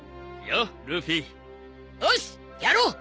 よしやろう！